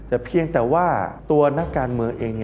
แต่เพียงแต่ว่าตัวนักการเมืองเอง